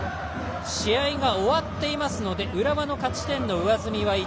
試合が終わっていますので浦和の勝ち点の上積みは１。